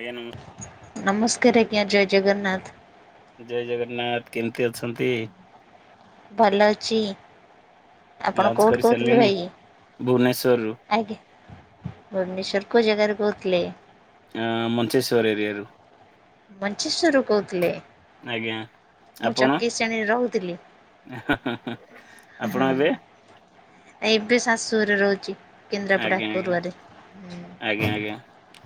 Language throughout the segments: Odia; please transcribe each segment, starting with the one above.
ଆଜ୍ଞା ନମ ନମସ୍କାର ଆଜ୍ଞା ଜୟ ଜଗନ୍ନାଥ। ଜୟ ଜଗନ୍ନାଥ କେମିତି ଅଛନ୍ତି? ଭଲ ଅଛି ଆପଣ ଲଞ୍ଚ କୋଉଠୁ କୋହୁଥିଲେ କରିସାରିଲେଣି ଭାଇ? ଭୁବନେଶ୍ଵରରୁ ଆଜ୍ଞା ଭୁବନେଶ୍ୱର କୋଉ ଜାଗାରୁ କୋହୁଥିଲେ? ଆଁ ମଞ୍ଚେଶ୍ୱର ଏରିଆରୁ। ମଞ୍ଚେଶ୍ୱରରୁ କୋହୁଥିଲେ? ଆଜ୍ଞା। ଆପଣ ରହୁଥିଲି ହଁ। ଆପଣ ଏବେ ଏବେ ଶାଶୁଘରେ ରହୁଚି। ଆଜ୍ଞା ଆଜ୍ଞା ଆଜ୍ଞା ଆଜ୍ଞା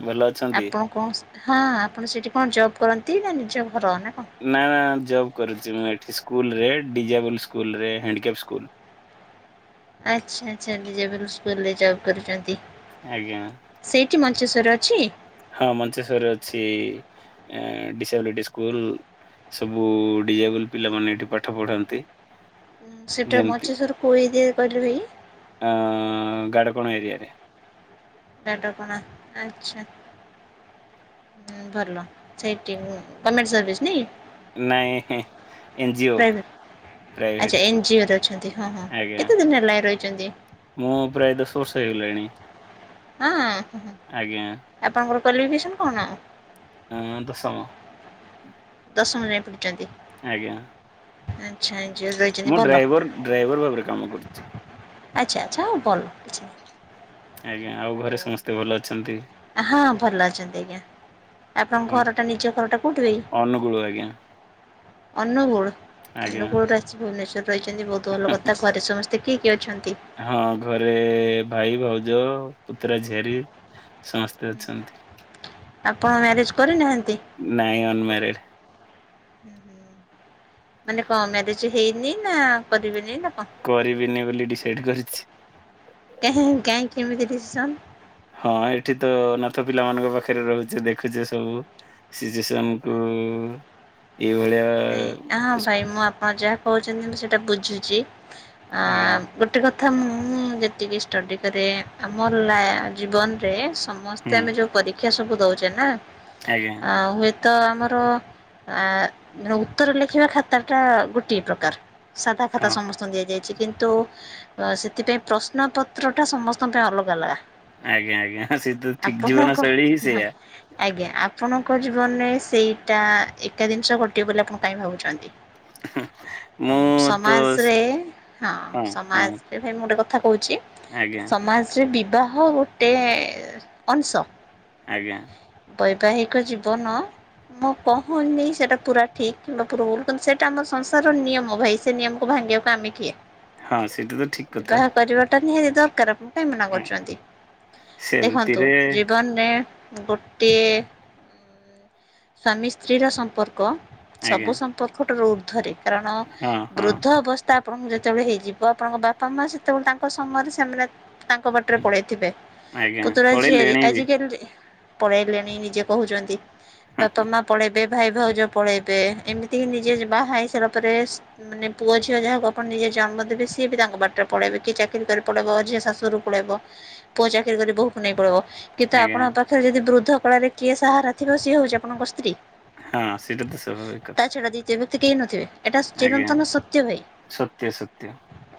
ଭଲ। ଅଛନ୍ତି ଆପ ଙ୍କ ହଁ ଆପଣ ସେଇଠି କଣ ଜବ କରନ୍ତି ନା ନିଜ ଘର ନା କଣ? ନା ନା ଜବ କରୁଚି ମୁଁ ଏଠି ସ୍କୁଲରେ ଡିଜାବୁଲ ସ୍କୁଲରେ ହେଣ୍ଡିକେଫ୍ଟ ସ୍କୁଲ। ଆଛା ଆଛା ଡିଜାବୁଲ ସ୍କୁଲରେ ଜବ କରୁଚନ୍ତି। ଆଜ୍ଞା। ସେଇଠି ମଞ୍ଚେଶ୍ଵର ଅଛି। ହଁ ମଞ୍ଚେଶ୍ଵରରେ ଅଛି ଆ ଡିସାବିଲିଟି ସ୍କୁଲ। ସବୁ ଡିଜାଇବୁଲ ପିଲାମାନେ ଏଠି ପାଠ ପଢ଼ାନ୍ତି। ସେଇଟା ମଞ୍ଚେଶ୍ଵର କୋଉ ଏରିଆରେ କହିଲେ ଭାଇ? ଆ ଗାଡକଣ ଏରିଆରେ। ଗାଡକନ ଆଛା। ଉଁ ଭଲ ସେଇଠି ଗମେଣ୍ଟ ସର୍ଭିସ ନାଇ। ନାଇଁ ଇନଜିଓ। ଆଛା ଏନଜିଓରେ ଅଛନ୍ତି ହଁ ହଁ ଆଜ୍ଞା କେତେ ଦିନ ହେଲାଣି ରହିଚନ୍ତି? ମୁଁ ପ୍ରାୟ ଦଶ ବର୍ଷ ହେଇଗଲାଣି। ହଁ। ଆଜ୍ଞା। ଆପଣଙ୍କର କ୍ୱାଲିଫିକେସନ କଣ? ଆଁ ଦଶମ ଦଶମ ଯାଏଁ ପଢିଛନ୍ତି। ଆଜ୍ଞା ଏନଜିଓରେ ରହିଛନ୍ତି ମୁଁ ଭଲ ଡ୍ରାଇଭର ଡ୍ରାଇଭର ଭାବରେ କାମ କରୁଛି। ଆଚ୍ଛା ଆଚ୍ଛା ହଉ ଭଲ। ଆଜ୍ଞା ଆଉ ଘରେ ସମସ୍ତେ ଭଲ ଅଛନ୍ତି? ହଁ ଭଲ ଅଛନ୍ତି ଆଜ୍ଞା। ହଁ ଆପଣଙ୍କ ଘର ଟା ନିଜ ଘର ଟା କୋଉଠି ଭାଇ? ଅନୁଗୁଳୁ ଆଜ୍ଞା ଅନୁଗୁଳ ଆଜ୍ଞା। ଅନୁଗୁଳରେ। ଭୁବନେଶ୍ଵର ରହିଛନ୍ତି ବହୁତ ଭଲ କଥା। ଘରେ ସମସ୍ତେ କିଏ କିଏ ଅଛନ୍ତି? ହଁ ଘରେ ଭାଇ ଭଉଜ ପୁତୁରା ଝିଆରୀ ସମସ୍ତେ ଅଛନ୍ତି। ଆପଣ ମ୍ୟାରେଜ କରିନାହାନ୍ତି? ନାଇଁ ଅନମ୍ୟାରେଡ। ହୁଁ ମାନେ କଣ ମ୍ୟାରେଜ ହେଇନି ନା କରିବେନି ନା କଣ? କରିବିନି ବୋଲି ଡିସାଇଡ କରିଛି। [unintelligible] କାହିଁକି ଏମିତି ଡିସିସନ? ହଁ ଏଠି ତ ଅନାଥ ପିଲା ମାନଙ୍କ ପାଖରେ ରହୁଛି ଦେଖୁଛି ସବୁ। ସିଚୁଏସନକୁ। ଏଇଭଳିଆ। ନାଇଁ ହ ହଁ ଭାଇ ମୁଁ ଆପଣ ଯାହା କହୁଛନ୍ତି ମୁଁ ସେଇଟା ବୁଝୁଛି ଆଜ୍ଞା ଆଁ ଗୋଟେ କଥା ମୁଁ ଯେତିକି ଷ୍ଟଡି କରେ ଆମ ଲା ଜୀବନରେ ହୁଁ ସମସ୍ତେ ଆମେ ଯୋଉ ପରୀକ୍ଷା ସବୁ ଦଉଚେ ନା। ଆଜ୍ଞା। ଆଉ ହୁଏତ ଆମର ଆ ଉତ୍ତର ଲେଖିବା ଖାତା ଟା ଗୋଟିଏ ପ୍ରକାର ସାଧା ହଁ। ଖାତା ସମସ୍ତେ ଦିଆଯାଇଛି କିନ୍ତୁ ଅ ସେଥିପାଇଁ ପ୍ରଶ୍ନ ପତ୍ର ଟା ସମସ୍ତଙ୍କ ପାଇଁ ଅଲଗା ଅଲଗା। ଆଜ୍ଞା ଆଜ୍ଞା ସେ ତ ଠିକ ଜୀବନ ଆପଣଙ୍କ ଶୈଳୀ ହି ସେୟା। ଆଜ୍ଞା ଆପଣଙ୍କ ଜୀବନରେ ସେଇଟା ଏକା ଜିନିଷ ଘଟିବ ବୋଲି ଆପଣ କାହିଁ ଭାବୁଛନ୍ତି? ମୁଁ ତ ସମାଜରେ ହଁ ସମାଜ। ସେ ଭାଇ ମୁଁ ଗୋଟେ କଥା କହୁଛି। ଆଜ୍ଞା। ସମାଜରେ ବିବାହ ଗୋଟେ ଅଂଶ। ଆଜ୍ଞା। ବୈବାହିକ ଜୀବନ ମୁଁ କହୁନି ସେଟା ପୁରା ଠିକ କିବା ଭୁଲ କିନ୍ତୁ ସେଇଟା ଆମ ସଂସାରର ନିୟମ ଭାଇ ସେ ନିୟମକୁ ଭାଙ୍ଗିବାକୁ ଆମେ କିଏ। ହଁ ସେଇଟା ତ ଠିକ କଥା। ବିବାହ କରିବାଟା ନିହାତି ଦରକାର। କାହିଁ ମନା ହଁ, କରୁଛନ୍ତି ଦେଖନ୍ତୁ ସେମିତିରେ ଜୀବନରେ ଗୋଟିଏ ସ୍ୱାମୀ ସ୍ତ୍ରୀର ସମ୍ପର୍କ ଆଜ୍ଞା ସବୁ ସମ୍ପର୍କଠାରୁ ଉର୍ଦ୍ଧ୍ୱରେ। କାରଣ ହଁ ହଁ ବୃଦ୍ଧ ଅବସ୍ଥା ଆପଣଙ୍କୁ ଯେତେବେଳେ ହେଇଯିବ ଆପଣଙ୍କ ବାପା ମା ସେତେବେଳେ ତାଙ୍କ ସମୟରେ ସେମାନେ ତାଙ୍କ ବାଟରେ ପଳେଇଥିବେ ଆଜ୍ଞା ପୁତୁରା ଝିଆରୀ ପଳେଇଲେଣି ବି ଆଜିକାଲି ପଳେଇଲେଣି ନିଜେ କହୁଛନ୍ତି। ବାପା ମା ପଳେଇ ଇବେ ଭାଇ ଭାଉଜ ପଳେଇବେ ଏମିତି ହି ନିଜେ ବାହା ହେଇ ସାରିଲା ପରେ ମାନେ ପୁଅ ଝିଅ ଯାହାକୁ ଆପଣ ନିଜେ ଜନ୍ମ ଦେବେ ସିଏ ବି ତାଙ୍କ ବାଟରେ ପଳେଇବେ କିଏ ଚାକିରି କରି ପଳେଇବ ଝିଅ ଶାଶୁଘରକୁ ପଳେଇବ ପୁଅ ଚାକିର କରି ବୋହୂ କୁ ନେଇ ପଳେଇବ। କିନ୍ତୁ ଆଜ୍ଞା ଆପଣଙ୍କ ପାଖରେ ଯଦି ବୃଦ୍ଧ କଳରେ କିଏ ସାହାରା ଥିବ ସିଏ ହଉଛି ଆପଣଙ୍କ ସ୍ତ୍ରୀ। ହଁ ସେଇଟା ତ ସ୍ୱାଭାବିକ କଥା। ଯେମିତି କେହି ନଥିବେ ଏଟା ଆଜ୍ଞା ଚିରନ୍ତନ ସତ୍ୟ ଭାଇ। ସତ୍ୟ ସତ୍ୟ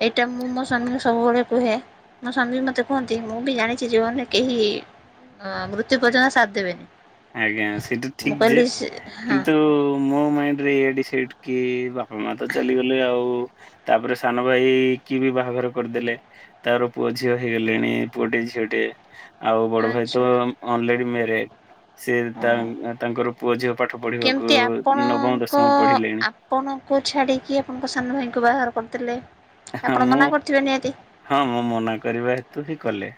ଏଇଟା ମୁଁ ମୋ ସ୍ୱାମୀକୁ ସବୁବେଳେ କୁହେ ମୋ ସ୍ଵାମୀ ବି ମତେ କୁହନ୍ତି ମୁଁ ବି ଜାଣିଛି ଯେ ମାନେ କେହି ମ ମୃତ୍ୟୁ ପର୍ଯ୍ୟନ୍ତ ସାଥ ଦେବେନି। ଆଜ୍ଞା ସେଇଟା ମୁଁ ଠିକ ଯେ କହିଲି ସେ ହଁ କିନ୍ତୁ? ମୋ ମାଇଣ୍ଡ ରେ ଏୟା ଡିସାଇଡ୍ କି ବାପା ମା ତ ଚାଲିଗଲେ ଆଉ ତାପରେ ସାନ ଭାଇକି ବି ବାହାଘର କରିଦେଲେ। ତାର ପୁଅ ଝିଅ ହେଇଗଲେଣି ପୁଅ ଟେ ଝିଅ ଟେ। ଆଉ ବଡ ଭାଇ ଆଚ୍ଛା ତ ଅନ୍ଲେଡି ମେରେଜ। ସେ ହଁ। ତାଙ୍କ ତାଙ୍କର ପୁଅ ଝିଅ ପାଠ ପଢିବାକୁ କେମିତି ନବମ ଆପଣଙ୍କ ଦଶମ ପଢିଲେଣି। ଆପଣଙ୍କୁ ଛାଡିକି ଆପଣଙ୍କ ସାନ ଭାଇଙ୍କୁ ବାହାଘର କରିଦେଲେ ଆପଣ ମୁଁ ମନା କରିଥିବେ ନିହାତି। ହଁ ମୁଁ ମନା କରିବା ହେତୁ ହିଁ କଲେ।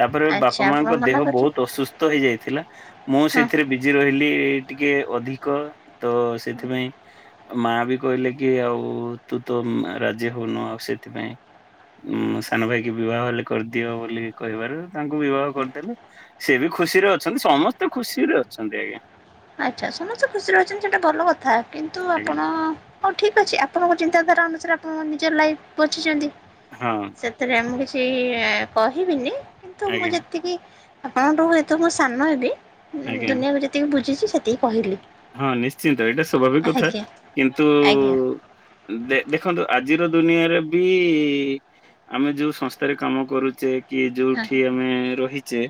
ତାପରେ ଆଚ୍ଛା ବାପା ଆପଣ ମାଙ୍କ ମନା ଦେହ କରିଛନ୍ତି ବହୁତ ଅସୁସ୍ଥ ହେଇଯାଇଥିଲା ମୁଁ ହଁ। ସେଥିରେ ବି ଜି ରହିଲି ଟିକେ ଅଧିକ ତ ସେଥିପାଇଁ ମା ବି କହିଲେ କି ଆଉ ତୁ ତ ମା ରାଜ୍ ରାଜି ହଉନୁ ଆଉ ସେଥିପାଇଁ ଉଁ ସାନ ଭାଇକି ବିବାହ ହେଲେ କରିଦିଅ ବୋଲି କହିବାରୁ ତାଙ୍କୁ ବିବାହ କରିଦେଲୁ ସେ ବି ଖୁସିରେ ଅଛନ୍ତି ସମସ୍ତେ ଖୁସିରେ ଅଛନ୍ତି ଆଜ୍ଞା। ଆଚ୍ଛା ସମସ୍ତେ ଖୁସିରେ ଅଛନ୍ତି ସେଟା ଭଲ କଥା କିନ୍ତୁ ଆଜ୍ଞା ଆପଣ ହଉ ଠିକ୍ ଅଛି ଆପଣଙ୍କ ଚିନ୍ତାଧାରା ଅନୁସାରେ ଆପଣ ନିଜର ଲାଇଫ ବଚିଚନ୍ତି। ହଁ। ସେଥିରେ ମୁଁ କିଛି କହିବିନି କିନ୍ତୁ ମୁଁ ଆଜ୍ଞା ଯେତିକି ଆପଣଙ୍କ ଠୁ ହୁଏ ତ ମୁଁ ସାନ ହେବି ଆଜ୍ଞା। ଦୁନିଆକୁ ଯେତିକି ବୁଝିଛି ସେତିକି କହିଲି। ହଁ ନିଶ୍ଚିନ୍ତ ଏଇଟା ସ୍ୱାଭାବିକ କଥା ଆଜ୍ଞା। କିନ୍ତୁ ଆଜ୍ଞା ଦେ ଦେଖନ୍ତୁ ଆଜିର ଦୁନିଆରେ ବି ଆମେ ଯୋଉ ସଂସ୍ଥାରେ କାମ କରୁଚେ କି ହଁ ଯୋଉଠି ଆମେ ରହିଛେ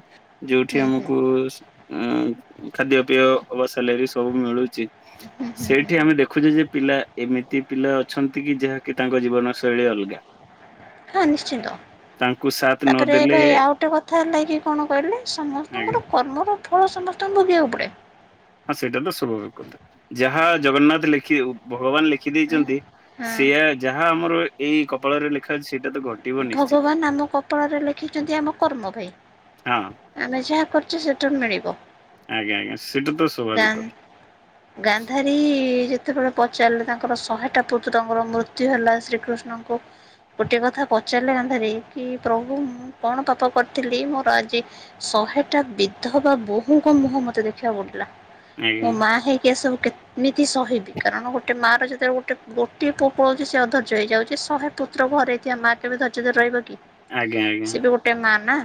ଯୋଉଠି ହୁଁ ହୁଁ ଆମକୁ ସ୍ ଅ ଖାଦ୍ୟ ପେୟ ଅବା ସାଲେରୀ ସବୁ ମିଳୁଛି ହୁଁ ହୁଁ ହୁଁ ସେଇଠି ଆମେ ଦେଖୁଛେ ଯେ ପିଲା ଏମିତି ପିଲା ଅଛନ୍ତି କି ଯାହାକି ତାଙ୍କ ଜୀବନ ଶୈଳୀ ଅଲଗା। ହଁ ନିଶ୍ଚିନ୍ତ। ତାଙ୍କୁ ସାଥ ତାପରେ ନଦେଲେ ଭାଇ ଆଉ ଟେ କଥା ହେଲା କିି କଣ କହିଲେ ଆଜ୍ଞା ସମସ୍ତଙ୍କର କର୍ମର ଫଳ ସମସ୍ତଙ୍କୁ ଭୋଗିବାକୁ ପଡ଼େ। ହଁ ସେଟା ତ ସଭାବକ କଥା ଯାହା ଜଗନ୍ନାଥ ଲେଖିଉ ଭଗବାନ ଲେଖି ଖିଦେଇଛନ୍ତି ହଁ ସେୟା ଯାହା ଆମର ଏଇ କପାଳରେ ଲେଖା ଅଛି ସେଇଟା ତ ଘଟିବ ନିଶ୍ଚିତ। ପାଳରେ ଲେଖିଛନ୍ତି ଆମ କର୍ମ ଭାଇ ହଁ ଆମେ ଯାହା କରୁଚେ ସେଟାରୁ ମିଳିବ। ଆଜ୍ଞା ଆଜ୍ଞା ସେଟା ତ ସ୍ୱାଭାବିକ ଗାନ୍ କଥା। ଗାନ୍ଧାରୀ ଯେତେବେଳେ ପଚାରିଲେ ତାଙ୍କର ଶହେଟା ପୁତ୍ରଙ୍କର ମୃତ୍ୟୁ ହେଲା ଶ୍ରୀକୃଷ୍ଣଙ୍କୁ ଗୋଟିଏ କଥା ପଚାରିଲେ ଗାନ୍ଧାରୀ କି ପ୍ରଭୁ ମୁଁ କଣ ପାପ କରିଥିଲି ମୋର ଆଜି ଶହେଟା ବିଧ ବା ବୋହୂଙ୍କ ମୁହଁ ମତେ ଦେଖିଆକୁ ପଡିଲା। ମୋ ଆଜ୍ଞା ମା ହେଇକି ଏ ସବୁ କେତେ ମିତି ସହିବି କାରଣ ଗୋଟେ ମା ର ଯେତେବେ ଗୋଟେ ପୋ ଗୋଟିଏ ପୋ ପଳଉଛି ସେ ଅଧୈର୍ଯ୍ୟ ହେଇଯାଉଛି ଶହେ ପ ପୁଅ ଘରେଇ ଥିବା ମା କେବେ ଧର୍ଯ୍ୟ ଧରି ରହିବ କି ଆଜ୍ଞା ଆଜ୍ଞା ସିଏ ବି ଗୋଟେ ମା ନା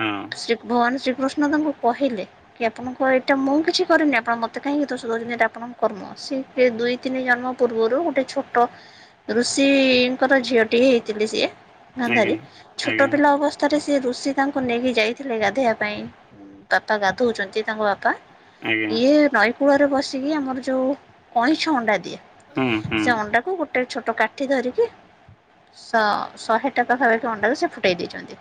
ହଁ ସେ ଭଗବାନ ଶ୍ରୀକୃଷ୍ଣ ତାଙ୍କୁ କହିଲେ କି ଆପଣଙ୍କ ଏଇଟା ମୁଁ କିଛି କରିନି ଆପଣ ମୋତେ କାହିଁକି ଦୋଷ ଦେଉଛନ୍ତି ଏଟା ଆପଣଙ୍କ କର୍ମ ସେ ଦୁଇ ତିନି ଜନ୍ମ ପୂର୍ବରୁ ଗୋଟେ ଛୋଟ ଋଷିଙ୍କର ଝିଅଟିଏ ହେଇଥିଲି ସିଏ ଗାନ୍ଧାରି ଆଜ୍ଞା। ଛୋଟ ଆଜ୍ଞା ପିଲା ଅବସ୍ ଥରେ ସେ ଋଷି ତାଙ୍କୁ ନେଇକି ଯାଇଥିଲେ ଗାଧୋଇବା ପାଇଁ ବାପା ଗାଧଉଛନ୍ତି ତାଙ୍କ ବାପା ଆଜ୍ଞା ଇଏ ନଈ କୂଳରେ ବସିକି ଆମର ଯୋଉ କଇଁଛ ଅଣ୍ଡା ଦିଏ ହୁଁ ହୁଁ ସେ ଅଣ୍ଡାକୁ ଗୋ ଟେ ଛୋଟ କାଠି ଧରିକି ଶହେ ଟା ପାଖାପାଖି ଅଣ୍ଡା ସେ ଫୁଟେଇ ଦେଇଛନ୍ତି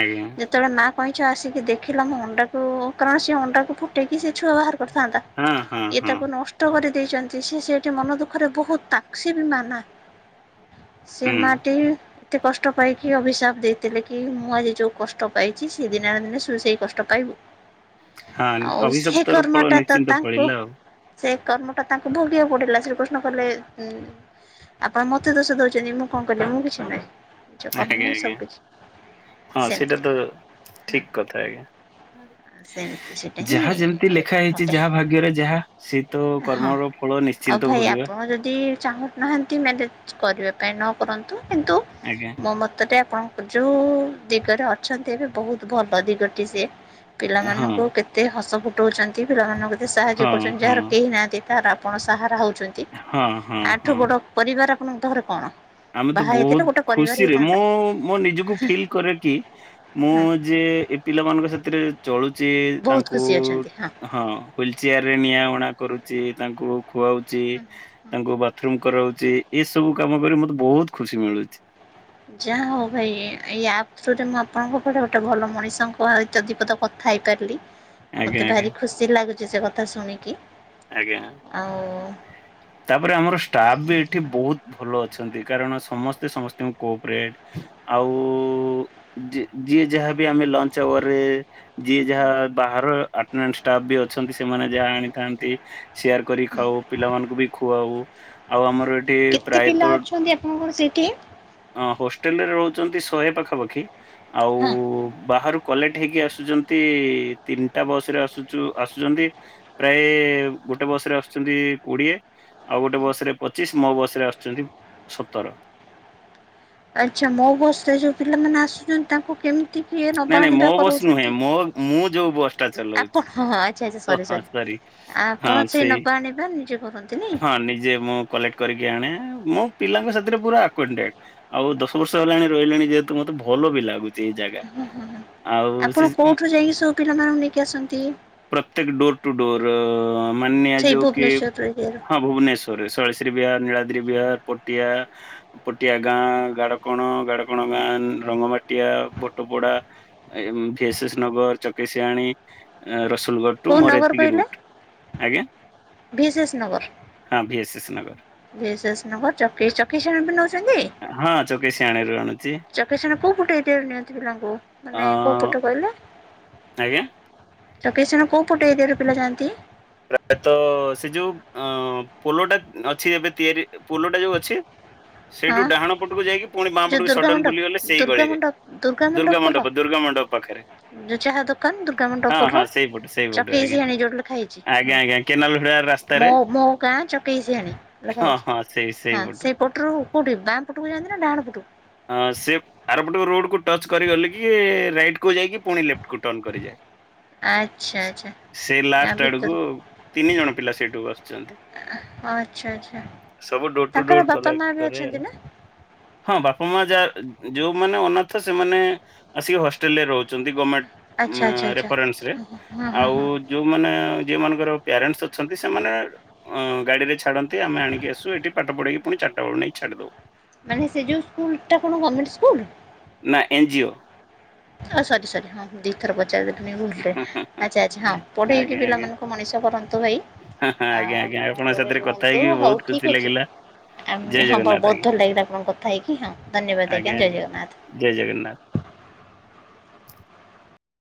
ଆଜ୍ଞା ଯେତେବେଳେ ମା କଇଁଛ ଆସିକି ଦେଖିଲା ମୁଁ ଅଣ୍ଡାକୁ କାରଣ ସ ଅଣ୍ଡାକୁ ଫୁଟେଇକି ସେ ଛୁଆ ବାହାର କରିଥାନ୍ତା ହଁ ହଁ ଏ ହଁ। ତାକୁ ନଷ୍ଟ କରିଦେଇଛନ୍ତି ସେ ସେଠି ମନ ଦୁଃଖରେ ବହୁତ ତାକ୍ସ ସିଏ ବି ମାନା ସେ ହୁଁ ମାଟି ଏତେ କଷ୍ଟ ପାଇକି ଅଭିଶାପ ଦେଇଥିଲେ କି ମୁଁ ଆଜି ଯେଉଁ କଷ୍ଟ ପାଇଛି ସେ ଦିନେ ନା ଦିନେ ଶୁ ସେଇ କଷ୍ଟ ପାଇବ ହଁ ଆଉ ସେ ଅଭିଶପ୍ତର ଫଳ କର୍ମଟା ତ ନିଶ୍ଚିନ୍ତ ତାଙ୍କୁ ଫଳିଲା ଆଉ ସେ କର୍ମଟା ତାଙ୍କୁ ଭୋଗିବାକୁ ପଡ଼ିଲା ଶ୍ରୀକୃଷ୍ଣ କହିଲେ ହୁ ଆପଣ ମତେ ଦୋଷ ଦଉଛନ୍ତି ମୁଁ କଣ କହିଲି ମୁଁ କିଛି ନୁହେଁ ନିଜ କର୍ମ ଆଜ୍ଞା ହିଁ ଆଜ୍ଞା ସବୁ କିଛି ହଁ ସେଇଟା ସେମିତି ତ ହଁ ଠିକ କଥା ଆଜ୍ଞା ସେମିତି ସେଇଟା ହିଁ ଯାହା ଯେମିତି ଆମ ଯୋଉ ଲେଖା ହେଇ ଛି ଘଟେ ଯାହା ଭାଗ୍ୟରେ ଯାହା ସେ ତ କର୍ମର ଫଳ ନିଶ୍ଚିନ୍ତ ଭୋଗିବା ଆ ଯଦି ଚାହୁଁ ନାହାଁନ୍ତି ମ୍ୟାନେଜ କରିବା ପାଇଁ ନ କରନ୍ତୁ କିନ୍ତୁ ଆଜ୍ଞା ମୋ ମତରେ ଆପଣଙ୍କ ଯୋଉ ଦିଗରେ ଅଛନ୍ତି ଏବେ ବହୁତ ଭଲ ଦିଗଟି ସେ ହଁ ପିଲାମାନଙ୍କୁ କେତେ ହସ ଫୁଟଉଛନ୍ତି ପିଲାମାନଙ୍କୁ କେତେ ସାହାଯ୍ୟ ହଁ କରୁଛନ୍ତି ଯାହାର ହଁ କେହି ନାହାନ୍ତି ତାର ଆପଣ ସାହାରା ହଉଛନ୍ତି ହଁ ହଁ ଆଠୁ ହଁ। ବଡ ପରିବାର ଆପଣଙ୍କ ପାଖରେ କଣ ଆମେ ତ ବାହା ହେଇଥିଲେ ବହୁତ ଗୋଟେ ପରିବାର ଖୁସିରେ ହେଇଥାନ୍ତା ମୁଁ ମୋ ନିଜକୁ ଫିଲ୍ କରେ କି ମୁଁ ହଁ ଯେ ଏ ପିଲାମାନଙ୍କ ସାଥିରେ ଚଳୁଛି ବହୁତ ତାଙ୍କୁ ଖୁସି ଅଛନ୍ତି ହଁ ହୁଇଲ ଚେୟାର ରେ ନିଆଁ ଉଣା କରୁଛି ତାଙ୍କୁ ଖୁଆଉଛି ତାଙ୍କୁ ବାଥରୁମ କରାଉଛି ଏ ସବୁ କାମ କରି ମତେ ବହୁତ ଖୁସି ମିଳୁଛି ଯାହା ହଉ ଭାଇ ଏଇ ଆପଥରେ ମୁଁ ଆପଣଙ୍କ କ ଗୋଟେ ଭଲ ମଣିଷଙ୍କ ଇତଧିପଦ କଥା ହେଇପାରିଲି ଆଜ୍ଞା ମୋତେ ଆଜ୍ଞା। ଭାରି ଖୁସି ଲାଗୁଛି ସେ କଥା ଶୁଣିକି ଆଜ୍ଞା ଆଉ ତାପରେ ଆମର ଷ୍ଟାଫ ବି ଏଠି ବହୁତ ଭଲ ଅଛନ୍ତି କାରଣ ସମସ୍ତେ ସମସ୍ତଙ୍କୁ କୋପରେଟ ଆଉ ଯିଏ ଯାହାବି ଆମେ ଲଞ୍ଚ ଆୱରରେ ଯିଏ ଯାହା ବାହାରାଫ ବି ଅଛନ୍ତି ସେମାନେ ଯାହା ଆଣିଥାନ୍ତି ସେୟାର କରି ଖାଉ ପିଲାମାନଙ୍କୁ ବି ଖୁଆଉ ଆଉ ଆମର ଏଠି କେତେ ପିଲା ଅଛନ୍ତି ଆପଣଙ୍କର ସେଇଠି ହଁ ହଷ୍ଟେଲ ରେ ରହୁଛନ୍ତି ଶହେ ପାଖାପାଖି ଆଉ ହଁ ବାହାର କଲେକ୍ଟ ହେଇକି ଆସୁଛନ୍ତି ତିନିଟା ବସରେ ଆସୁଛୁ ଆସୁଛନ୍ତି ପ୍ରାୟ ଗୋଟେ ବସ ରେ ଆସୁଛନ୍ତି କୋଡିଏ ଆଉ ଗୋଟେ ବସ ରେ ପଚିଶ ମୋ ବସ ରେ ଆସୁଛନ୍ତି ସତର ଆଚ୍ଛା ମୋ ବସରେ ଯୋଉ ପିଲାମାନେ ଆସୁଛନ୍ତି ତାଙ୍କୁ କେମିତି କିଏ ନବା ନାଇଁ ନାଇଁ ମୋ ଆଣିବା ବସ୍ ନୁହେଁ କରଉଛନ୍ତି? ମୋ ମୁଁ ଯୋଉ ବସ୍ ଟା ଆପଣ ଚଲାଉଛି ହଁ ହଁ ଆଚ୍ଛା ଆଚ୍ଛା ଓ ସରି ହଁ ଆପଣ ସେଇ ନବା ଆଣିବା ନିଜେ କରନ୍ତିନି? ହଁ ନିଜେ ମୁଁ କଲେକ୍ଟ କରିକି ଆଣେ ମୁଁ ପିଲାଙ୍କ ସାଥିରେ ପ ଆଉ ଦଶ ବର୍ଷ ହେଲାଣି ରହିଲେଣି ଯେହେତୁ ମତେ ଭଲ ବି ଲାଗୁଛି ଏଇ ଜାଗା ହୁଁ ହୁଁ ହୁଁ ଆଉ ଆପଣ ସେ କୋଉଠୁ ଯାଇକି ସବୁ ପିଲାମାନଙ୍କୁ ନେଇକି ଆସନ୍ତି? ପ୍ରତ୍ୟେକ ଡୋରଟୁ ଡୋର୍ ସେଇ ମାନିନ୍ୟାଯୋଉକି ଭୁବନେଶ୍ୱର ଏରିଆରୁ? ହଁ ଭୁବନେଶ୍ୱ ସରେ ସଳଶ୍ରୀ ବିହାର ନୀଳାଦ୍ରି ବିହାର ପଟିଆ ପଟିଆ ଗାଁ ଗାଡ଼କଣ ଗାଡ଼କଣ ଗାଁ ରଙ୍ଗ ମାଟିଆ ପ Patapada S S Nagar Chakeisiani Rasulgarh to କେଉଁ ମୋର ନଗର ଏତିକି କହିଲେ ରୁଟ୍ ଆଜ୍ଞା ଭି ଶେଷ୍ ନଗର। ଶନଗର ଭିଶେଷ୍ ନଗର ଚକି ଚକିଶେଣେବି ନଉଚନ୍ତି। ଆଁ ହଁ ଚକେଶିଆଣରୁ ଆଣୁଚି। ଚକେଶିଆଣ କୋଉଁପଟେ ଏରିଆରେ ନିଅନ୍ତି ପିଲାଙ୍କୁ ଅ ମାନେ କେଉଁ ପଟେ କହିଲେ? ଆଜ୍ଞା? ଚକେଇଶେଣ କେଉଁ ପଟେ ଏରିଆରୁ ପିଲା ଜାଣନ୍ତି? ପ୍ରାୟତଃ ସେ ଯୋଉ ଅ ପୋଲଟା ଅଛି ଏବେ ତିଆରି ପୋଲୋଟା ଯୋଉ ଅଛି [inaudible] ସେଇଠୁ ଡାହାଣ ପଟକୁ ଯାଇକି ପୁଣି ବା ପଟକୁ ସଡନ୍ ବୁଲି ଗଲେ ସେଇ ଗଳିରେ ଦୁର୍ଗା ମଣ୍ଡପ ଦୁର୍ଗା ମଣ୍ଡପ ପାଖରେ। ଯୋଉ ଚାହା ଦୋକାନ ଦୁର୍ଗା ମଣ୍ଡପ ହଁ ହଁ ପୋଲ ସେଇପଟୁ ସେଇପଟୁ ଆଜ୍ଞା। ଚକେଇସିଆଣି ଯୋଉଠି ଲେଖା ହେଇଚି। ହଁ ଆଜ୍ଞା ଆଜ୍ଞା କେନାଲ ହୁଡା ରାସ୍ତାରେ ମୋ ମୋଗାଁ ଚକେଇସିଆଣି ଲେଖା ହଁ ହେଇଚି ହଁ ସେଇ ହଁ ସେଇପଟୁ ସେ ପଟରୁ କେଉଠି ବାଁ ପଟକୁ ଯାଆନ୍ତିନା ଡାହାଣ ପୁଟକୁ? ହଁ ସେପ୍ ଆରପଟ ରୋଡ଼କୁ ଟଚ୍ କରିଗଲିକି ରାଇଟ୍ କୁ ଯାଇକି ପୁଣି ଲେଫ୍ଟକୁ ଟର୍ନ କରିଯାଏ। ଆଚ୍ଛା ଆଚ୍ଛା ସେ ତାଭି [unintelligible] ତିନି ଜଣ ପିଲା ସେଇଠୁକୁ ଆସୁଚନ୍ତି। ଆଚ୍ଛା ଆଚ୍ଛା ସବୁ ଡୋରଟୁ ତାଙ୍କର ଡୋର ବାପା ମା କଲେକ୍ଟ ବି କରେ ଅଛନ୍ତି ଆଉ। ନା ହଁ ବାପା ମା ଯାର୍ ଯୋଉମାନେ ଅନାଥ ସେମାନେ ଆସିକି ହଷ୍ଟେଲରେ ରହୁଚନ୍ତି ଗମେଣ୍ଟ ଆଚ୍ଛା ମା ଆଚ୍ଛା ଆଚ୍ଛା ରେରେନ୍ସରେ ହଁ ହଁ ଆଉ ହଁ ଯୋଉମାନେ ଆଉ ଯେଉଁ ମାନଙ୍କର ପ୍ୟାରେଣ୍ଟସ୍ ଅଛନ୍ତି ସେମାନେ ଅଁ ଗଡ଼ିରେ ଛାଡ଼ନ୍ତି ଆମେ ଆଣିକିଆସୁ ଏଠି ପାଠ ପଢେଇିକି ପୁଣି ଚାରିଟା ବେଳକୁ ନେଇ ଛାଡ଼ିଦଉ। ମାନେ ସେଯେଉଁ ସ୍କୁଲଟା କଣ ଗଭର୍ଣମେଣ୍ଟ ସ୍କୁଲ୍? ନା ଏନ୍ ଜିଓ ଆଁ ସରି ସରି ହଁ। ଦିଇଥର ପଚାରିଦେଲି ଭୁଲରେ ଆଚ୍ଛା ଆଚ୍ଛା ହଁ ପଢେଇକି ଆଜ୍ଞା ଆଜ୍ଞା। ପିଲାମାନଙ୍କୁ ମଣିଷ କରନ୍ତୁ ଭାଇ ହଁ ହଁ ଆ ଆଜ୍ଞା ଆଜ୍ଞା ଆପଣଙ୍କ ଭଲରେ ସାଥିରେ କଥା ରୁହନ୍ତୁ ହେଇକି ହଉ ବହୁତ ଖୁସି ଠିକ୍ ଅଛି। ଲାଗିଲା ଆ ଜୟ ହଁ ବ ଜଗନ୍ନାଥ ବହୁତ୍ ଆଜ୍ଞା ଭଲ ଲାଗିଲା ଆପଣଙ୍କ କଥା ହେଇକି ହଁ ଧନ୍ୟବାଦ ଆଜ୍ଞା ଜୟ ଜଗନ୍ନାଥ। ଜୟ ଜଗନ୍ନାଥ।